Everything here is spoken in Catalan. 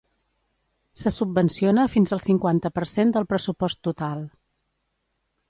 Se subvenciona fins al cinquanta per cent del pressupost total.